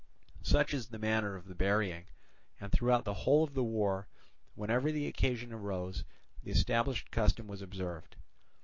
Such is the manner of the burying; and throughout the whole of the war, whenever the occasion arose, the established custom was observed.